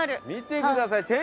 見てください。